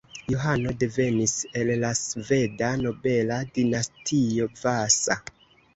Johano devenis el la sveda nobela dinastio Vasa.